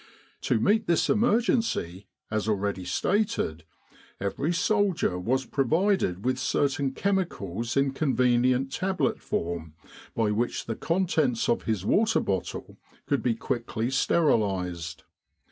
To meet this emergency, as already stated, every soldier was provided with certain chemicals in convenient tablet form by which the contents of his water bottle could be quickly sterilised.